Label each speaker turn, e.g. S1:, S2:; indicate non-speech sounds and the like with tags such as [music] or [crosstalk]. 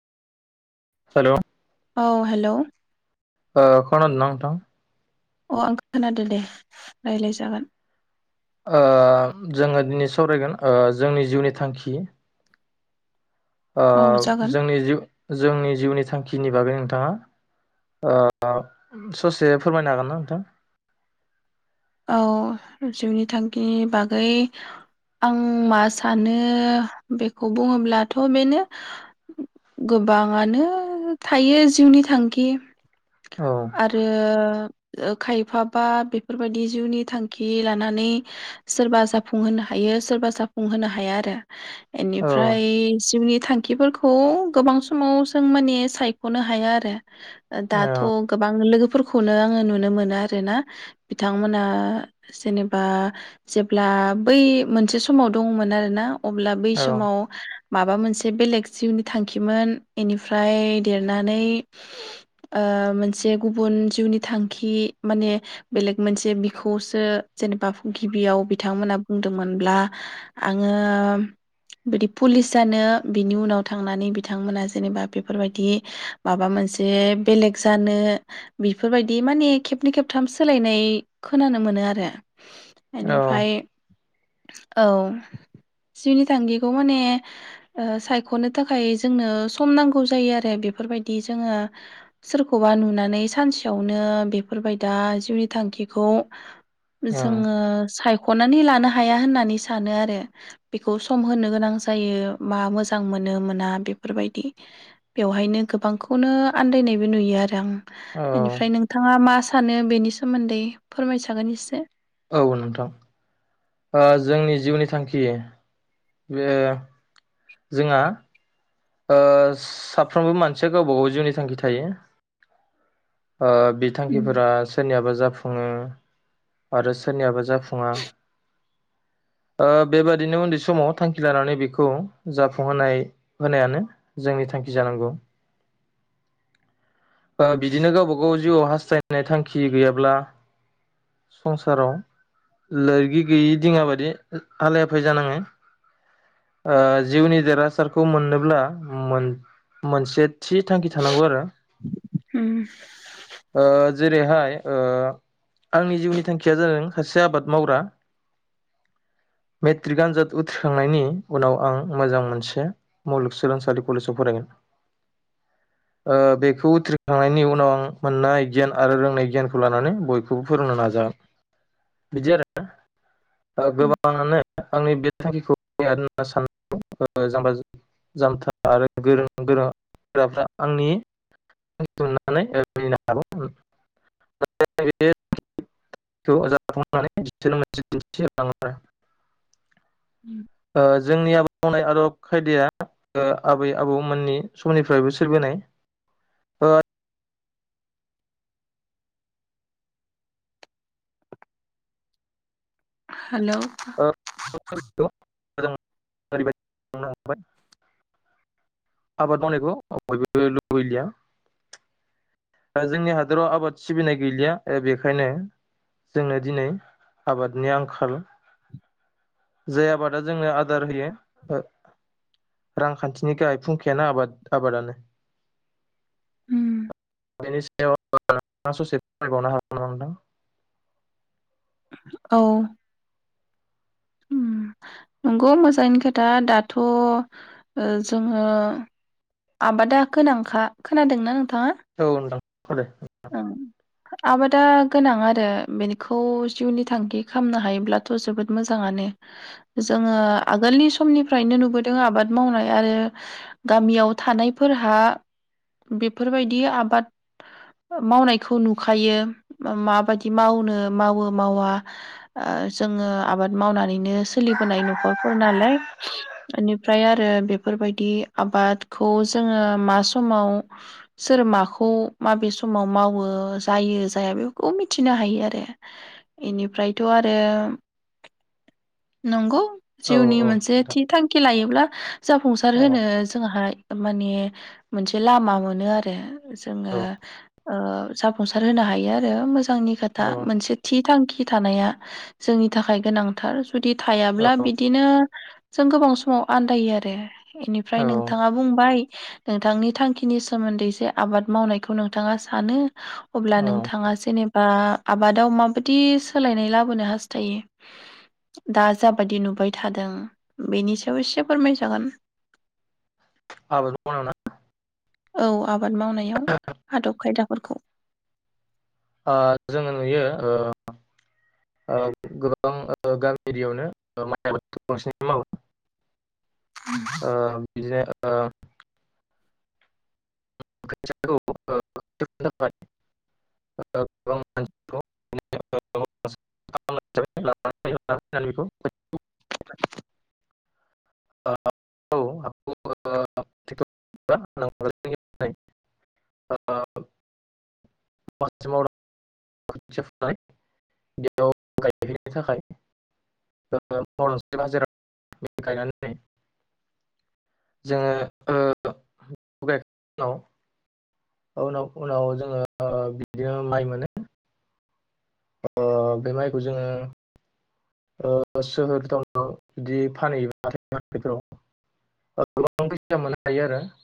S1: Hello
S2: औ हेल'
S1: ओ खोनादोंना नोंथां
S2: अ आं खोनादो दे रायज्लाय जागोन।
S1: ओ जोङो दिनै सावरायगोन- ओ जोंनि जिउनि थांखि- ओ
S2: औ जागोन
S1: जोंनि जिउ जोंनि जिउनि थांखिनि बागै नोंथाङा ओ ससे फोरमायनो हागोन ना नोंथां?
S2: औ जिउनि थांखिनि बागै आं मा सानो बेखौ बुङोब्लाथ बेनो गोबाङानो थायो जिउनि थांखि
S1: औ
S2: आरो खायफा बा बेफोरबायदि जिउनि थांखि लानानै सोरबा जाफुंहोनो हायो सोरबा जाफुंहोनो हाया आरो।
S1: औ
S2: एनिफ्राय जिउनि- थांखिफोरखौ गोबां समाव जों माने सायख'नो हाया आरो
S1: औ
S2: दाथ' गोबां लोगोफोरखौनो आङो नुनो मोनो आरोना बिथांमोना जेनेबा जेब्ला बै मोनसे समाव दंमोन आरो ना अब्ला बै समाव माबा मोनसे बेलेग जिउनि थांखिमोन बेनिफ्राय देरनानै ओ मोन जे गुबुन जिउनि थांखि माने बेलेग मोनसे बिखौसो जेनेबा गिबियाव बिथांमोना बुंदोंमोनब्ला आङो बिदि पुलिस जानो बिनि उनाव थांनानै बिथांमोना जेनेबा बेफोरबायदि माबा मोनसे बेलेग जानो- बेफोरबायदि माने खेबनै खेबथाम सोलायनाय खोनानो मोनो आरो।
S1: औ
S2: बेनिफ्राय औ जिउनि थांखिखौ माने ओ सायख'नो थाखाय जोंनो सम नांगौ जायो आरो बेफोरबायदि जोङो सोरखौबा नुनानै, नै सानसेयावनो बेफोरबायदिया जिउनि थांखिखौ
S1: ओं
S2: जोङो साय ख'नानै लानो हाया होननानै सानो आरो बेखौ सम होनो गोनां जायो मा मोजां मोनो मोना बेफोरबायदि बेवहायनो गोबांखौनो आन्दायनायबो नुयो आरो आं।
S1: औ
S2: बेनिफ्राय नोंथाङा मा- सानो बेनि सोमोन्दै फोरमायजागोन एसे
S1: औ नोंथां जोंनि जिउनि थांखि बे जोंहा- ओ साफ्रोमबो मानसिया गावबा गाव जिउनि थांखि थायो। ओ बि थांखिफोरा सोरनियाबा जा ओम आरो सोरनियाबा जाफुङा बेबादिनो उन्दै समाव थांखि लानानै बेखौ जाफुंहोनाय- होनायानो जोंनि थांखि जानांगौ। ओ बिदिनो गावबा गाव जिउआव हास्थायनाय थांखि गैयाब्ला संसाराव लोरगि गैयि दिङ बादि हालाय हाफाय जानाङो ओ जिउनि देरहासारखौ मोनोब्ला मोन मोनसे- थि थांखि थानांगौ आरो-
S2: उम
S1: ओ जेरैहाय ओ आंनि जिउनि थांखिया जादों सासे आबाद मावग्रा। मेट्रिक आनजाद उथ्रिखांनायनि उनाव आं मोजां मोनसे मुलुगसोलोंसालि कलेजाव फरायगोन बेखौ उथ्रिखांनायनि उनाव आं मोननाय गियान आरो रोंनाय गियानखौ लानानै बयखौबो फोरोंनो नाजागोन बिदि आरो। गोबां [unintelligible] [unintelligible] ओ जोंनि आब मावनाय आदब खायदाया आबै आबौमोननि समनिफ्रायबो सोरबोनाय
S2: हेल'
S1: [unintelligible] [unintelligible] ओरैबायदि ह आबाद मावनायखौ बयबो लुबैलिया दा जोंनि हादराव आबाद सिबिनाय गैलिया ओ बेखायनो जोंनो दिनै आबादनि आंखाल जाय आबादा जोंनो आदार होयो ओ रांखान्थिनि गाहाय फुंखायानो आबाद आबादानो बेनि सायाव नोंथांआ ससे फोरमायबावनो हागोनमा नोंथां?
S2: औ ओम नंगौ मोजाङैनो खोथा दाथ जोङो आबादा गोनांखा खोनादोंना नोंथाङा?
S1: औ‌ नोंथां‌ खोनादो
S2: ओम आबादा गोनां आरो बेनिखौ जिउनि थांखि खालामनो हायोब्लाथ जोबोद मोजाङानो जोङो आगोलनि समनिफ्रायनो नुबोदों आबाद मावनाय आरो गामियाव थानायफोरहा बेफोरबायदि आबाद मावनायखौ नुखायो माबायदि मावनो मावो मावा जोङो आबाद मावनानैनो सोलिबोनाय नखरफोर नालाय ओनिफ्राय आरो बेफोरबायदि आबादखौ जोङो मा समाव सोर माखौ माबे सम समाव मावो जायो जाया बेफोरखौ मिथिनो हायो आरो इनिफ्रायथ आरो नंगौ
S1: औ
S2: जिउनि
S1: औ
S2: मोनसे
S1: नोंथां
S2: थि थांखि लायोब्ला जाफुंसार
S1: औ
S2: होनो जों हायो माने मोनसे लामा मोनो आरो जोङो ओ‌ जाफुंसार होनो हायो आरो मोजां नि खोथा मोनसे थि थांखि थानाया जोंनि थाखाय गोनांथार जुदि थायाब्ला
S1: औ
S2: बिदिनो जों गोबां समाव आन्दायो आरो इनिफ्राय
S1: औ
S2: नोंथाङा बुंबाय नोंथांनि थांखिनि सोमोन्दै एसे आबाद मावनायखौ नोंथाङा सो सानो अब्ला
S1: औ
S2: नोंथाङा जेनेब बा‌ आबादाव माबायदि सोलायनाय लाबोनो हास्थायो दा जाबायदि नुबाय थादों बेनि सायाव एसे फोरमायजागोन
S1: आबाद मावनायावना
S2: औ आब आबाद मावनायाव आदब खायदा फोरखौ
S1: ओ जोङो नुयो ओ ओ गोबां गामि एरियावनो माइ आबाद बांसिन मावो ओ [unintelligible] [unintelligible] [unintelligible] [unintelligible] [unintelligible] खोथिया फुनाय बेयाव गायहैनो थाखाय [unintelligible] बाजाराव गायनानै जोङो ओ [unintelligible] उनाव उनाव जोङो बिदिनो माइ मोनो अ बे माइखौ जोङो ओ सोहोर टाउनाव बिदि फानहैयो हाथाय बाजारफ्राव गोबां फैसा मोननो हायो आरो।